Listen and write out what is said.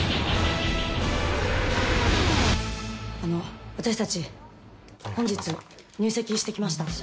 あの私たち本日入籍してきました。